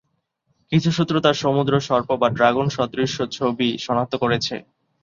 কিছু সূত্র তার সমুদ্র সর্প বা ড্রাগন সদৃশ ছবি শনাক্ত করেছে।